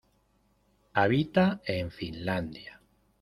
Habita en Finlandia.